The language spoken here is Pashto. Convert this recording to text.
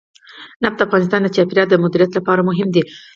نفت د افغانستان د چاپیریال د مدیریت لپاره مهم دي.